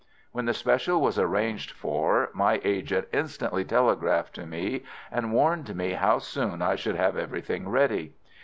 When the special was arranged for, my agent instantly telegraphed to me and warned me how soon I should have everything ready.